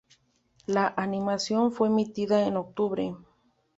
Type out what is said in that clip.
La animación fue emitida en octubre.